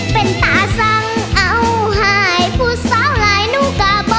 เป็นตาสั่งเอาให้ผู้เศร้าหลายหนูกลับบ่